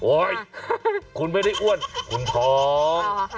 คุณไม่ได้อ้วนคุณท้อง